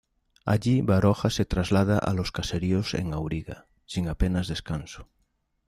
Allí Baroja se traslada a los caseríos en auriga, sin apenas descanso.